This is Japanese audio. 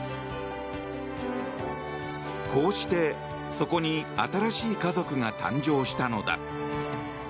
こうして、そこに新しい家族が誕生したのだ。